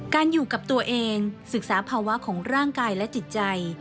อยู่กับตัวเองศึกษาภาวะของร่างกายและจิตใจ